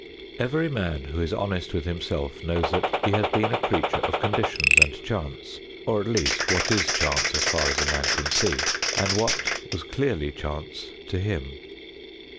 Every man who is honest with himself knows that he has been a creature of conditions and chance, or at least what is chance as far as a man can see, and what was clearly chance to him.